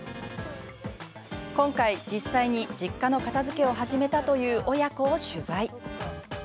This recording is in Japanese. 今回、実際に実家の片づけを始めたという親子を取材。